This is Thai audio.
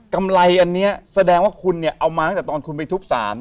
กำไรอันนี้แสดงว่าคุณเนี่ยเอามาตั้งแต่ตอนคุณไปทุบสาร